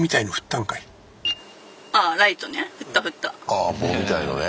ああ棒みたいのね。